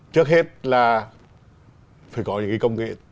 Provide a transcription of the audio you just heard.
trước hết là phải có những công nghệ